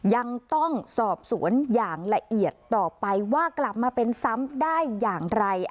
ยังต้องสอบสวนอย่างละเอียดต่อไปว่ากลับมาเป็นซ้ำได้อย่างไร